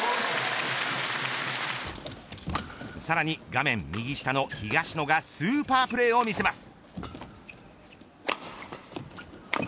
さらに画面右下の東野がスーパープレーを見せます。